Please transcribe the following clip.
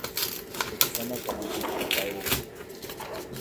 Tukisoma kwa bidi tutafaulu.